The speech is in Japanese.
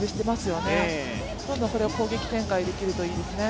どんどんこれを攻撃展開できるといいですね。